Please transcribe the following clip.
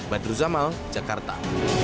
badru zamal jakarta